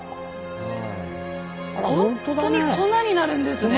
ほんとに粉になるんですね。